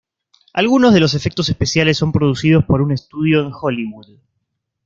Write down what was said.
Algunos de los efectos especiales son producidos por un estudio en Hollywood.